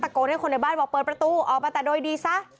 เจ้าหน้าที่ตะโกนให้คนในบ้านเปิดประตูออกมาแต่โดยดีซะ